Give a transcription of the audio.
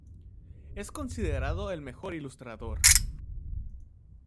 Es considerado el mejor ilustrador.